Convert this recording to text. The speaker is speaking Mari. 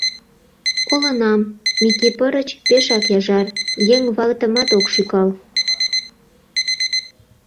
Колынам, Микипырыч пешак яжар, еҥ ватымат ок шӱкал.